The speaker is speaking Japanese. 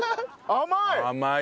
甘い！